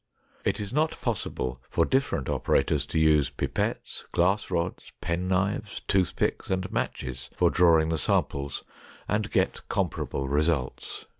It is not possible for different operators to use pipettes, glass rods, pen knives, toothpicks, and matches for drawing the samples, and get comparable results.